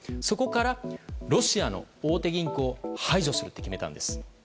そこからロシアの大手銀行を排除すると決めたんです。